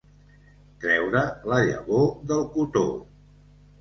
Treure la llavor del cotó.